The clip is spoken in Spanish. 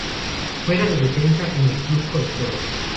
Juega de defensa en el club Colo-Colo.